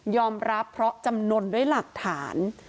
รับเพราะจำนวนด้วยหลักฐาน